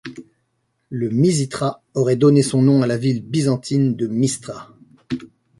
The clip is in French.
Le Mizithra aurait donné son nom à la ville byzantine de Mistra.